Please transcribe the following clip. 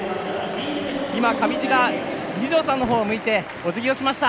上地が、二條さんのほうを向いておじぎしました。